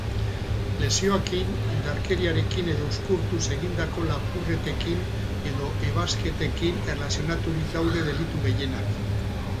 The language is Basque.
Lesioekin, indarkeriarekin edo uzkurtuz egindako lapurretekin edo ebasketekin erlazionaturik daude delitu gehienak.